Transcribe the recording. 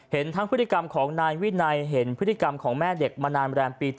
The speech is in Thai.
เห็นทั้งพฤติกรรมของนายวินัยเห็นพฤติกรรมของแม่เด็กมานานแรมปี๗